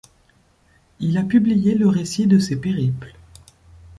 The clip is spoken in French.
Il a publié le récit de ses périples.